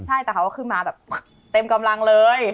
ใช่แต่เขาก็ขึ้นมาแบบเต็มกำลังเลย